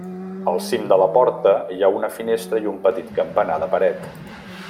Al cim de la porta hi ha una finestra i un petit campanar de paret.